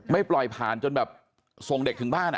ไม่ปล่อยผ่านจนแบบส่งเด็กถึงบ้าน